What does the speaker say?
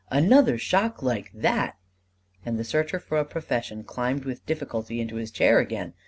"Another shock like that !" and the searcher for a profession climbed with difficulty into his chair again.